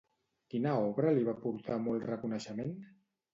Quina obra li va portar molt reconeixement?